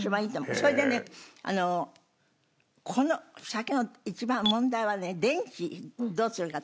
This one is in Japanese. それでねこの先の一番問題はね電池どうするかって。